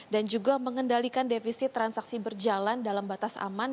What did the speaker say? dan juga mengendalikan defisi transaksi berjalan dalam batas aman